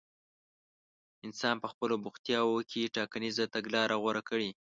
انسان په خپلو بوختياوو کې ټاکنيزه تګلاره غوره کړي.